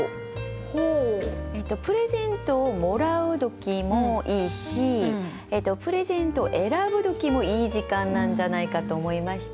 プレゼントをもらう時もいいしプレゼントを選ぶ時もいい時間なんじゃないかと思いまして。